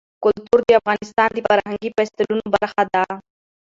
کلتور د افغانستان د فرهنګي فستیوالونو برخه ده.